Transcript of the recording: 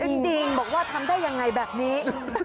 จริงบอกว่าทำได้ยังไงแบบนี้